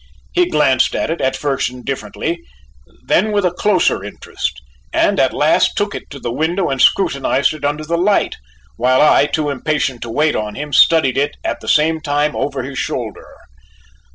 He glanced at it, at first indifferently, then with a closer interest, and at last took it to the window and scrutinized it under the light, while I, too impatient to wait on him, studied it at the same time over his shoulder.